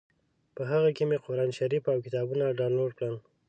په هغه کې مې قران شریف او کتابونه ډاونلوډ کړل.